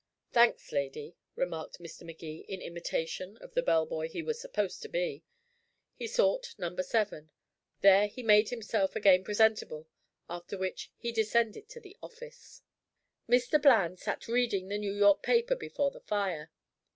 "Thanks, lady," remarked Mr. Magee in imitation of the bell boy he was supposed to be. He sought number seven. There he made himself again presentable, after which he descended to the office. Mr. Bland sat reading the New York paper before the fire.